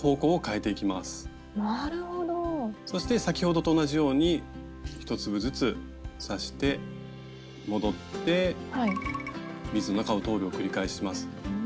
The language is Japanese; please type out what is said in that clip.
そして先ほどと同じように１粒ずつ刺して戻ってビーズの中を通るを繰り返します。